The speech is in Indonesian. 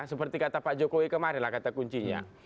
seperti kata pak jokowi kemarilah kata kuncinya